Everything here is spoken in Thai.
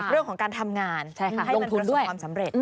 เรื่องของการทำงานให้มันบรรยาความสำเร็จ